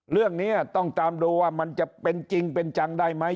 เรื่องนี้ต้องตามดูว่ามันจะเป็นจริงเป็นจังได้ไหม